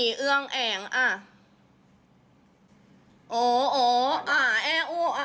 โครงนี้ต้องเตรียมข้อสมภัณฑ์